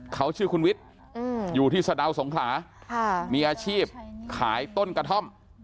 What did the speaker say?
เขาชื่อคุณวิทย์อยู่ที่สะดาวสงขลามีอาชีพขายต้นกระท่อม